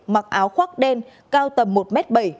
mặc áo khoác đen cao tầm một m bảy